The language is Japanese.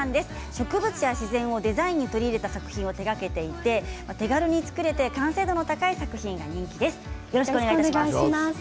植物や自然をデザインに取り入れた作品を手がけていて手軽に作れて完成度の高い作品が人気です。